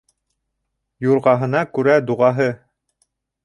Юрғаһына күрә дуғаһы.